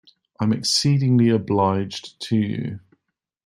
I am exceedingly obliged to you.